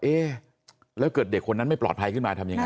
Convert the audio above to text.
เอ๊ะแล้วเกิดเด็กคนนั้นไม่ปลอดภัยขึ้นมาทำยังไง